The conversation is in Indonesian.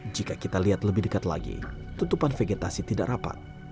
jika kita lihat lebih dekat lagi tutupan vegetasi tidak rapat